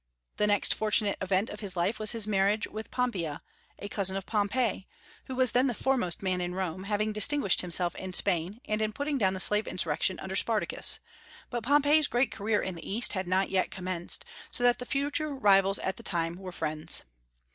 The next fortunate event of his life was his marriage with Pompeia, a cousin of Pompey, who was then the foremost man in Rome, having distinguished himself in Spain and in putting down the slave insurrection under Spartacus; but Pompey's great career in the East had not yet commenced, so that the future rivals at that time were friends.